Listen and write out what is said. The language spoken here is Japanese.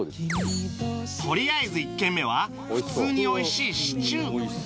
とりあえず１軒目は普通に美味しいシチュー